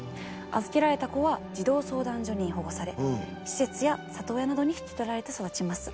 預けられた子は児童相談所に保護され施設や里親などに引き取られて育ちます。